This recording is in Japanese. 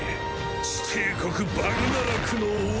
地帝国バグナラクの王。